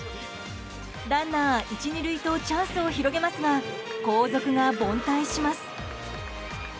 ランナー１、２塁とチャンスを広げますが後続が凡退します。